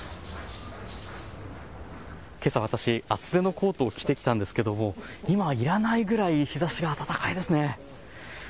けさ私、厚手のコートを着てきたんですけども、今、いらないぐらい日ざしが暖かいですね。